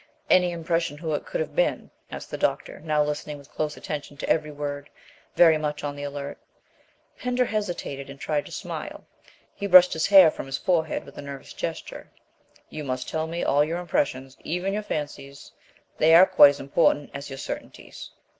"Any impression who it could have been?" asked the doctor, now listening with close attention to every word, very much on the alert. Pender hesitated and tried to smile. He brushed his hair from his forehead with a nervous gesture. "You must tell me all your impressions, even your fancies; they are quite as important as your certainties."